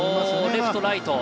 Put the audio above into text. レフト、ライト。